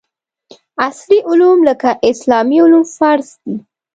عصري علوم لکه اسلامي علوم فرض دي